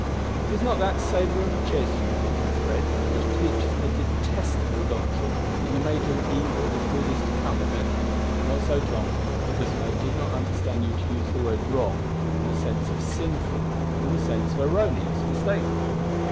'" "Does not that savour of Jesuitism, Fred, which teaches the detestable doctrine that you may do evil if good is to come of it?" "Not so, Tom; because I did not understand you to use the word wrong in the sense of sinful, but in the sense of erroneous mistaken.